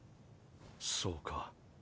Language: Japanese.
そうか。